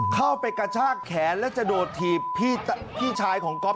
เข้าไปกระชากแขนและจะโดดถีบพี่ชายของก๊อฟ